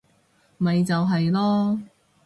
咪就係囉